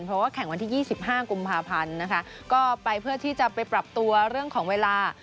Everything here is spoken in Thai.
เพราะว่าแข่งวันที่๒๕กุมภาพันธ์นะคะก็ไปเพื่อที่จะไปปรับตัวเรื่องของเวลา